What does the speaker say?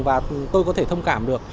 và tôi có thể thông cảm được